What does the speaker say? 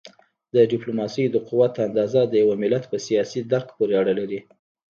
د ډیپلوماسی د قوت اندازه د یو ملت په سیاسي درک پورې اړه لري.